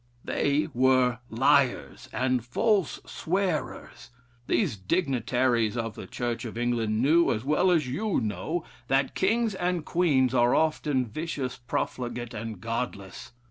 They were liars and false swearers. These dignitaries of the Church of England knew, as well as you know, that kings and queens are often vicious, profligate, and godless.